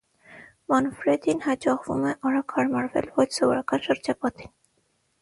Մանֆրեդին հաջողվում է արագ հարմարվել ոչ սովորական շրջապատին։